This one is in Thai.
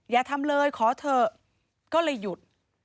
อย่าทำเลยขอเถอะก็เลยหยุด